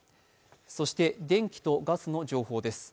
そして電気とガスの情報です。